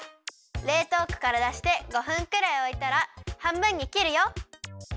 れいとうこからだして５分くらいおいたらはんぶんにきるよ！